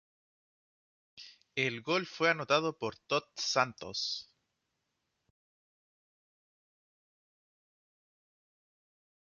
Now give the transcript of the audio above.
El gol fue anotado por Todd Santos.